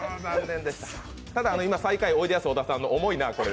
ただ最下位は、おいでやす小田さんの「重いなあこれ」。